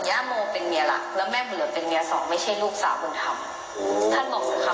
ส่วนย่าโมเป็นเมียหลักแล้วแม่บุญเหลือเป็นเมียสองไม่ใช่ลูกสาวบุญธรรม